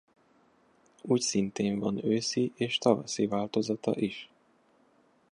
Úgyszintén van őszi és tavaszi változata is.